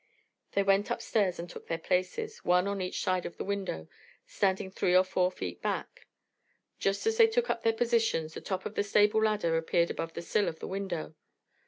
They went upstairs and took their places, one on each side of the window, standing three or four feet back. Just as they took up their positions the top of the stable ladder appeared above the sill of the window.